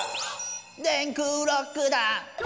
「電空ロックだ」